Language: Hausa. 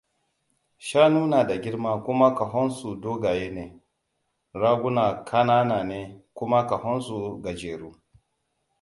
Shanu na da girma kuma kahonsu dogaye ne; raguna ƙanana ne kuma ƙahonsu gajeru.